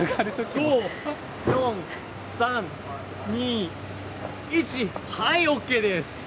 ５、４、３、２、１、はい、ＯＫです。